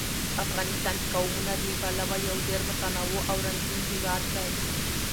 افغانستان د قومونه له پلوه یو ډېر متنوع او رنګین هېواد دی.